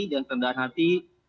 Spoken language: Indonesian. dan kendaraan hati